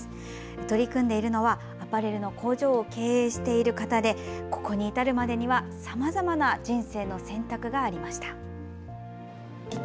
取り組んでいるのはアパレルの工場を経営している方でここに至るまでにはさまざまな人生の選択がありました。